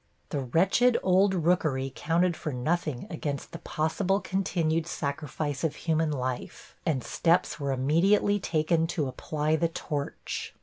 The wretched old rookery counted for nothing against the possible continued sacrifice of human life, and steps were immediately taken to apply the torch.